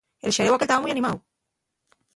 El xaréu aquel taba mui animáu.